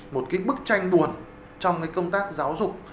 một bức tranh buồn trong công tác giáo dục